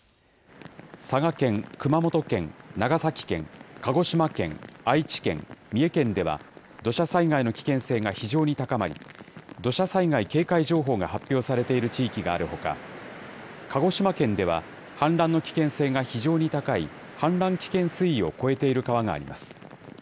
佐賀県、熊本県、長崎県、鹿児島県、愛知県、三重県では、土砂災害の危険性が非常に高まり、土砂災害警戒情報が発表されている地域があるほか、鹿児島県では氾濫の危険性が非常に高い、氾濫危険水位を超えている川があります。